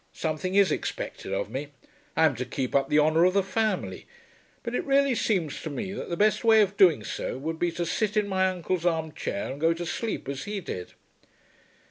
Something is expected of me. I am to keep up the honour of the family; but it really seems to me that the best way of doing so would be to sit in my uncle's arm chair and go to sleep as he did."